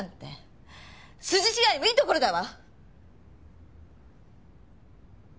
筋違いもいいところだわ！